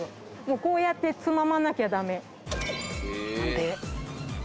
こうやってつままなきゃ駄目。